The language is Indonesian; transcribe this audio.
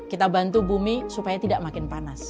kita bantu bumi supaya tidak makin panas